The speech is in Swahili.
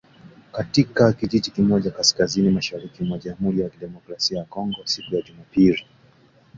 katika kijiji kimoja kaskazini mashariki mwa Jamhuri ya Kidemokrasia ya Kongo siku ya Jumapili